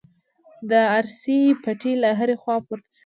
د ارسي پټې له هرې خوا پورته شوې.